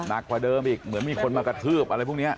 กว่าเดิมอีกเหมือนมีคนมากระทืบอะไรพวกนี้